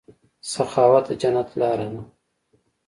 سخاوت د جنت لاره ده.